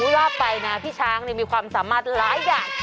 ว่าไปนะพี่ช้างมีความสามารถหลายอย่าง